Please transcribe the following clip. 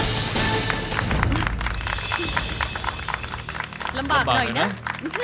จูตันและจางเลี่ยงออกมาเลยครับ